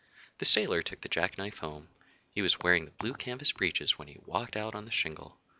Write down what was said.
The Sailor took the jack knife home. He was wearing the blue canvas breeches when he walked out on the shingle.